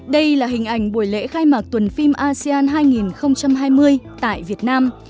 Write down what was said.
đây là hình ảnh buổi lễ khai mạc tuần phim asean hai nghìn hai mươi tại việt nam